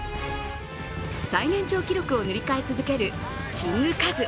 最年長記録を塗り替え続けるキングカズ。